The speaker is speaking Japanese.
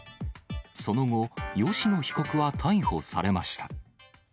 その後、吉野被告は逮捕されました。